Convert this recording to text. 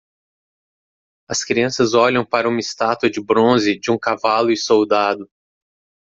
As crianças olham para uma estátua de bronze de um cavalo e soldado.